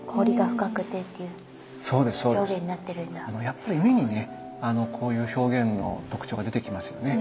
やっぱり目にねこういう表現の特徴が出てきますよね。